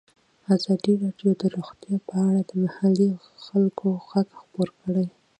ازادي راډیو د روغتیا په اړه د محلي خلکو غږ خپور کړی.